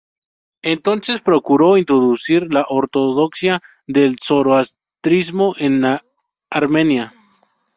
Entonces procuró introducir la ortodoxia del zoroastrismo en Armenia.